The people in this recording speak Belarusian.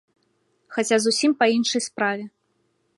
Хаця зусім па іншай справе.